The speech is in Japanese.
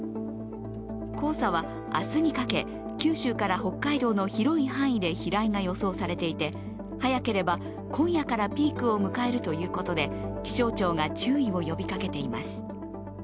黄砂は明日にかけ、九州から北海道の広い範囲で飛来が予想されていて早ければ今夜からピークを迎えるということで気象庁が注意を呼びかけています。